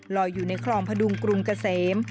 อยู่ในคลองพดุงกรุงเกษม